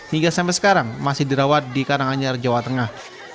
hingga sampai sekarang masih dirawat di karanganyar jawa tengah